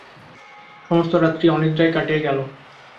সমস্ত রাত্রি অনিদ্রায় কাটিয়া গেল।